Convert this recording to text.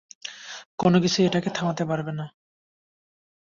কোনকিছুই এটাকে থামাতে পারবে না।